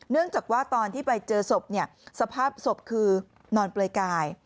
เนื่องจากว่าตอนที่ไปเจอศพเนี่ยสภาพศพคือนอนเปลือยกาย